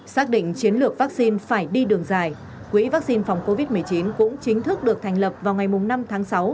xác định chiến lược vaccine phải đi đường dài quỹ vaccine phòng covid một mươi chín cũng chính thức được thành lập vào ngày năm tháng sáu